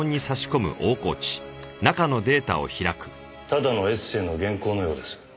ただのエッセーの原稿のようです。